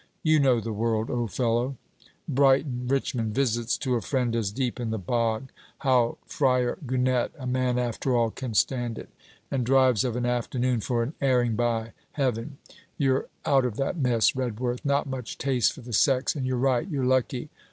You know the world, old fellow: Brighton, Richmond, visits to a friend as deep in the bog. How Fryar Gunnett a man, after all can stand it! And drives of an afternoon for an airing by heaven! You're out of that mess, Redworth: not much taste for the sex; and you're right, you're lucky.